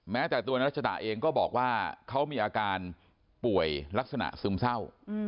แม้แต่ตัวในรัชดาเองก็บอกว่าเขามีอาการป่วยลักษณะซึมเศร้า